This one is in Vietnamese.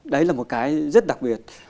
đấy là một cái rất đặc biệt